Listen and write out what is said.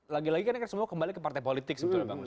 lagi lagi kan kita semua kembali ke partai politik